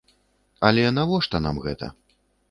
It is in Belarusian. Але навошта нам гэта?